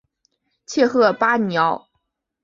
切赫巴尼奥。